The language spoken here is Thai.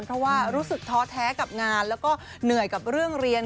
เพราะว่ารู้สึกท้อแท้กับงานแล้วก็เหนื่อยกับเรื่องเรียน